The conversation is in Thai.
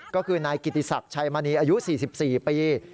ก็คือนายกิติศักดิ์ชัยมณีอายุ๔๔ปี